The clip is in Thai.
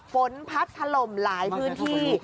ฝนพัดถล่มหลายพื้นที่